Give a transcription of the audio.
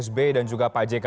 sb dan juga pjk